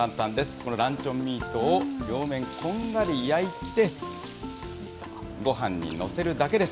このランチョンミートを両面こんがり焼いて、ごはんに載せるだけです。